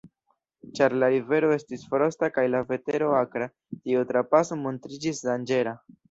Ĉar la rivero estis frosta kaj la vetero akra, tiu trapaso montriĝis danĝera.